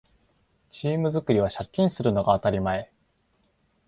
チーム作りは借金するのが当たり前